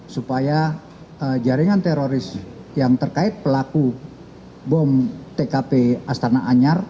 supaya jaringan teroris yang terkait pelaku bom tkp astana anyar